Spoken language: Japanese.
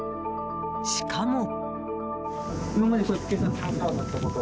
しかも。